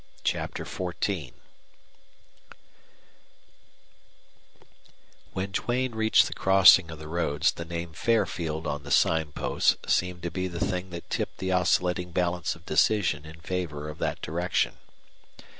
CHAPTER XIV When Duane reached the crossing of the roads the name Fairfield on the sign post seemed to be the thing that tipped the oscillating balance of decision in favor of that direction.